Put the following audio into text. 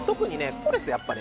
ストレスやっぱね